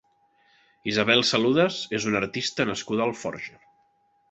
Isabel Saludes és una artista nascuda a Alforja.